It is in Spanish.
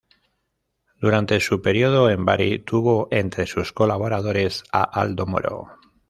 Durante su período en Bari tuvo entre sus colaboradores a Aldo Moro.